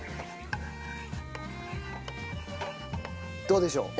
どうでしょう？